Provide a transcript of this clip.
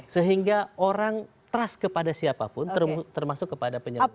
sehingga orang trust kepada siapapun termasuk kepada penyelenggara